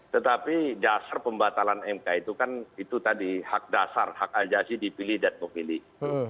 tetapi dasar pembatalan mk itu kan itu tadi hak dasar hak ajasi dipilih dan memilih